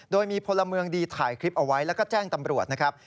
โดยมีพลเมืองดีถ่ายคลิปเอาไว้แล้วก็แจ้งตำรวจนะครับ